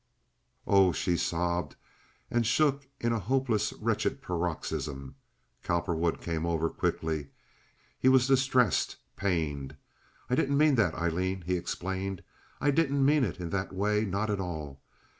"Oh!" she sobbed, and shook in a hopeless, wretched paroxysm. Cowperwood came over quickly. He was distressed, pained. "I didn't mean that, Aileen," he explained. "I didn't mean it in that way—not at all.